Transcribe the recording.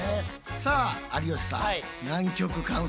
さあ有吉さん